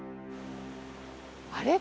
あれ？